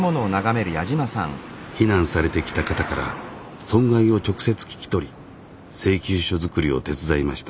避難されてきた方から損害を直接聞き取り請求書作りを手伝いました。